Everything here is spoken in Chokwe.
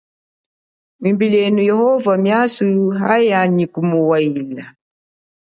Embilenu Yehova miaso yaha nyi kuwaila.